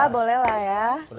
boleh lah ya